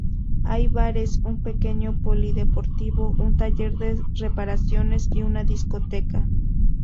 Hay bares, un pequeño polideportivo, un taller de reparaciones y una discoteca.